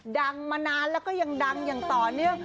ดังมานานและก็ยังดังอย่างตอนนี้